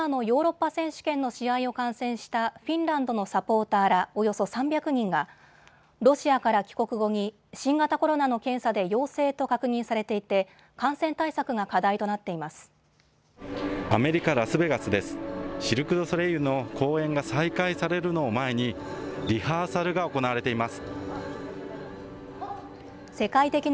一方でサッカーのヨーロッパ選手権の試合を観戦したフィンランドのサポーターらおよそ３００人がロシアから帰国後に新型コロナの検査で陽性と確認されていて感染対策が課題となっています。